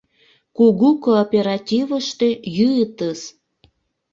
— Кугу кооперативыште йӱытыс.